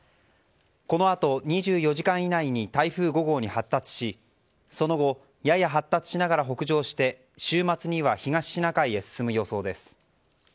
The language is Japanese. このあと２４時間以内に台風５号に発達しその後、やや発達しながら北上して週末には東シナ海へ進む予想です。